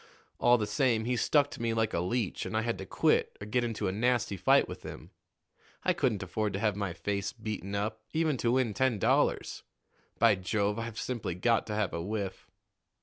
All the same, he stuck to me like a leech, and I had to quit or get into a nasty fight with him. I couldn't afford to have my face beaten up, even to win ten dollars. By Jove! I've simply got to have a whiff."